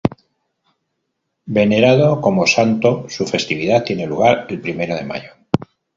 Venerado como santo, su festividad tiene lugar el primero de mayo.